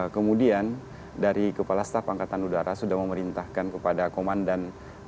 kemudian dari kepala staf angkatan udara sudah memerintahkan kepada komandan